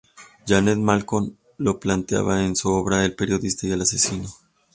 Janet Malcolm lo planteaba en su obra "El periodista y el asesino".